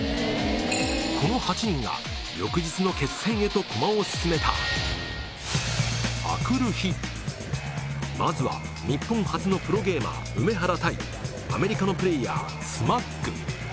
この８人が翌日の決戦へと駒を進めたまずは日本初のプロゲーマーウメハラ対アメリカのプレーヤーＳＭＵＧ